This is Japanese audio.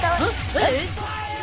えっ？